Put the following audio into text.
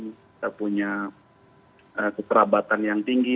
kita punya kekerabatan yang tinggi